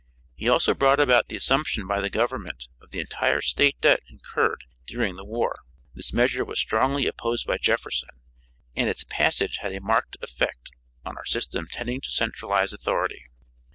He also brought about the assumption by the government of the entire State debt incurred during the war. This measure was strongly opposed by Jefferson, and its passage had a marked effect on our system tending to centralize authority.